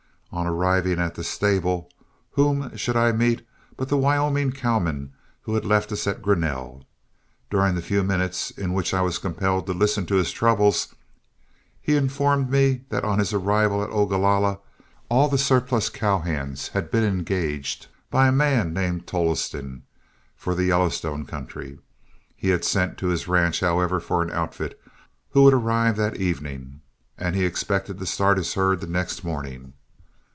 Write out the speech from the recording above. On arriving at the stable, whom should I meet but the Wyoming cowman who had left us at Grinnell. During the few minutes in which I was compelled to listen to his troubles, he informed me that on his arrival at Ogalalla, all the surplus cow hands had been engaged by a man named Tolleston for the Yellowstone country. He had sent to his ranch, however, for an outfit who would arrive that evening, and he expected to start his herd the next morning.